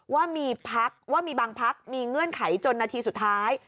ว่ามีพักว่ามีบางพักมีเงื่อนไขจนนาทีสุดท้าย